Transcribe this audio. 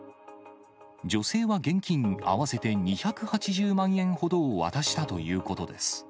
女性は現金合わせて２８０万円ほどを渡したということです。